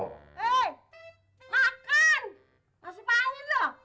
hei makan masuk main dong